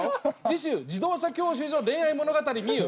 次週自動車教習所恋愛物語美由